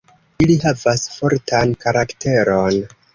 Ili havas fortan karakteron.